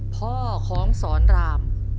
พ่อของสอนราม